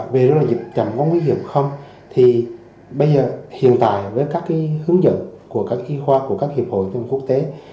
về dối loạn nhịp chậm có nguy hiểm không thì bây giờ hiện tại với các hướng dẫn của các y khoa của các hiệp hội tương quốc tế